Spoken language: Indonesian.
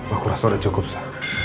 aku rasa udah cukup sa